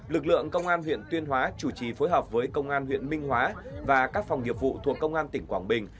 lực lượng công an huyện tuyên hóa chủ trì phối hợp với công an huyện minh hóa và các phòng nghiệp vụ thuộc công an tỉnh quảng bình